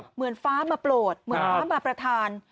เหมือนฟ้ามาโปรดเหมือนพระมาประธาน